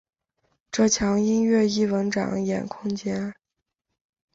这墙音乐艺文展演空间。